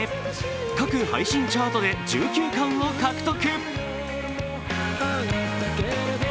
各配信チャートで１９冠を獲得。